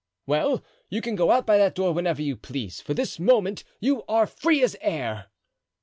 "Well, you can go out by that door whenever you please; for from this moment you are free as the air."